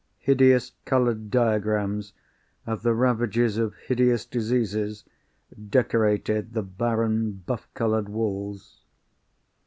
Hideous coloured diagrams of the ravages of hideous diseases decorated the barren buff coloured walls.